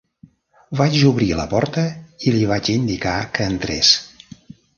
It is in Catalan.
Vaig obrir la porta i li vaig indicar que entrés.